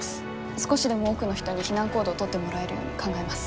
少しでも多くの人に避難行動を取ってもらえるように考えます。